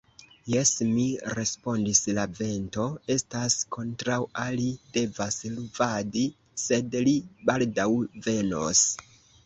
Jes, mi respondis, la vento estas kontraŭa, li devas luvadi, sed li baldaŭ venos.